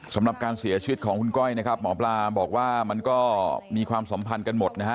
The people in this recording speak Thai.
สำหรับการเสียชีวิตของคุณก้อยนะครับหมอปลาบอกว่ามันก็มีความสัมพันธ์กันหมดนะฮะ